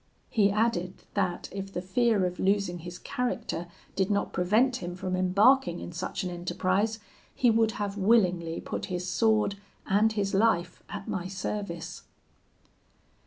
He added, that if the fear of losing his character did not prevent him from embarking in such an enterprise, he would have willingly put his sword and his life at my service.